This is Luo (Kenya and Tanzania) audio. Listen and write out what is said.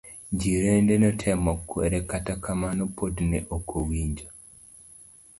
Jirende notemo kwere kata kamano pod ne okowinjo.